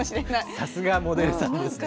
さすがモデルさんですね。